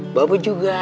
mbak be juga